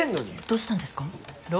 どうしたんですか？